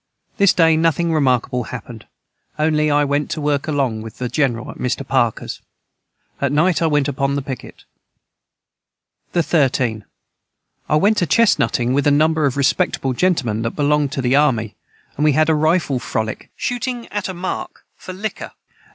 This day nothing remarkable hapned only I went to work along with the general at Mr. Parkers at night I went upon the piquet. the 13. I went a chesnuting with a number of respectable gentlemen that belonged to the army and we had a rifle frolick and came home about 10 Oclock.